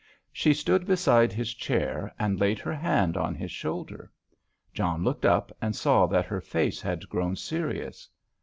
She stood beside his chair and laid her hand on his shoulder. John looked up and saw that her face had grown serious.